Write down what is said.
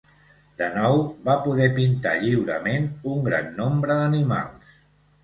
De nou, va poder pintar lliurement un gran nombre d'animals.